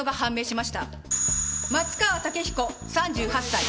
松川竹彦３８歳。